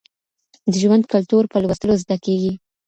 د ژوند کلتور په لوستلو زده کېږي.